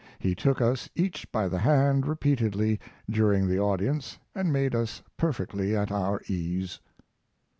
He took us each by the hand repeatedly during the audience and made us perfectly at our ease.